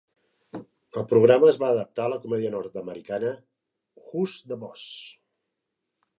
El programa es va adaptar a la comèdia nord-americana "Who's the Boss?".